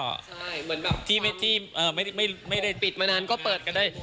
ใช่เหมือนแบบที่ไม่ได้ปิดมานานก็เปิดกันได้